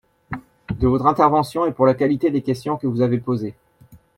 de votre intervention et pour la qualité des questions que vous avez posées.